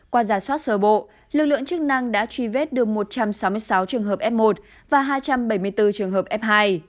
qua giả soát sơ bộ lực lượng chức năng đã truy vết được một trăm sáu mươi sáu trường hợp f một và hai trăm bảy mươi bốn trường hợp f hai